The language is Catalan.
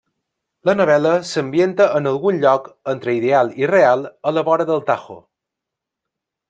La novel·la s'ambienta en algun lloc —entre ideal i real— a la vora del Tajo.